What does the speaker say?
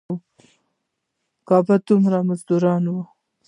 کبان دومره مزدار ووـ.